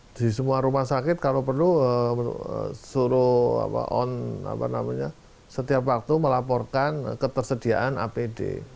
di semua rumah sakit kalau perlu suruh setiap waktu melaporkan ketersediaan apd